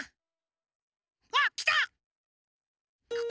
わっきた！